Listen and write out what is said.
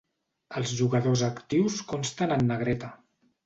Els jugadors actius consten en negreta.